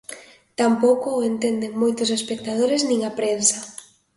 Tampouco o entenden moitos espectadores nin a prensa.